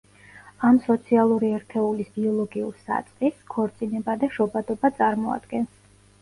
ამ სოციალური ერთეულის ბიოლოგიურ საწყისს ქორწინება და შობადობა წარმოადგენს.